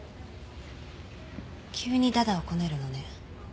急に駄々をこねるのね。